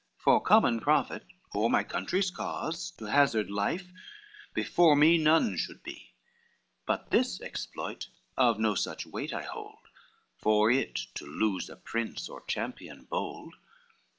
For common profit, or my country's cause, To hazard life before me none should be: But this exploit of no such weight I hold, For it to lose a prince or champion bold.